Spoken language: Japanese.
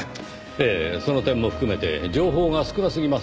ええその点も含めて情報が少なすぎますねぇ。